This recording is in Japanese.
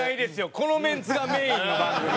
このメンツがメインの番組。